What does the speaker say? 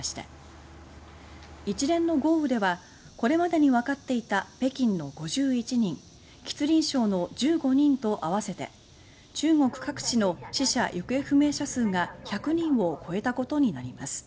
一連の豪雨ではこれまでに分かっていた北京の５１人吉林省の１５人と合わせて中国各地の死者・行方不明者数が１００人を超えたことになります